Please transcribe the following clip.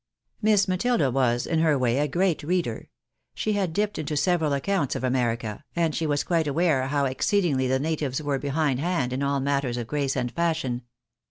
Miss Matilda was, in her way, a great reader ; she had dipped into several accounts of America, and she was quite aware how exceedingly the natives were behind hand in aU matters of grace and fashion.